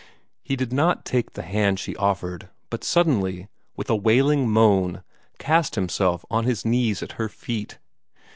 He did not take the hand she offered, but suddenly, with a wailing moan, cast himself on his knees at her feet.